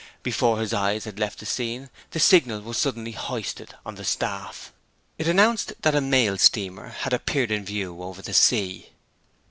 Before his eyes had left the scene the signal was suddenly hoisted on the staff. It announced that a mail steamer had appeared in view over the sea.